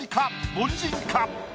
凡人か？